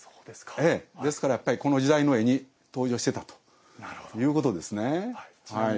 ですからこの時代の絵に登場していたということです。